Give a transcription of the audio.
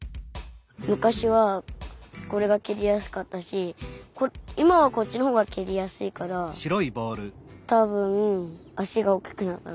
むかしはこれがけりやすかったし今はこっちのほうがけりやすいからたぶんあしがおっきくなったから。